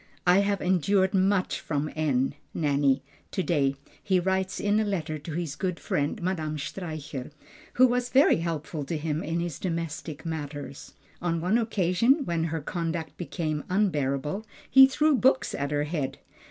"I have endured much from N. (Nanny) to day," he writes in a letter to his good friend Madame Streicher, who was very helpful to him in his domestic matters. On one occasion, when her conduct became unbearable, he threw books at her head.